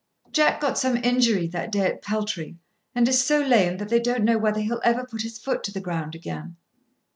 "Jack got some injury that day at Peltry, and is so lame that they don't know whether he'll ever put his foot to the ground again."